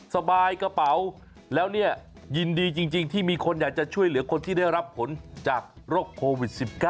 สบายกระเป๋าแล้วเนี่ยยินดีจริงที่มีคนอยากจะช่วยเหลือคนที่ได้รับผลจากโรคโควิด๑๙